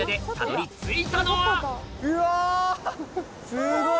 すごい！